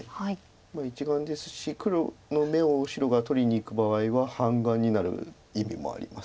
１眼ですし黒の眼を白が取りにいく場合は半眼になる意味もあります。